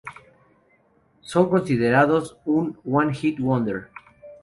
Son considerados un "one-hit wonder".